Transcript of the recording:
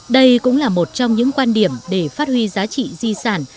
đây cũng là một trong những quan điểm để phát huy giá trị di sản